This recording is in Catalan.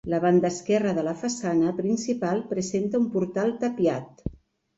La banda esquerra de la façana principal presenta un portal tapiat.